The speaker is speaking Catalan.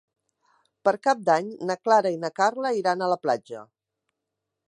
Per Cap d'Any na Clara i na Carla iran a la platja.